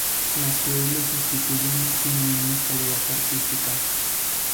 Las que hoy les sustituyen tienen menos calidad artística.